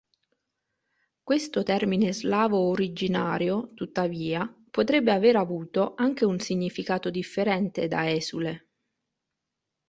Questo termine slavo originario, tuttavia, potrebbe aver avuto anche un significato differente da "esule".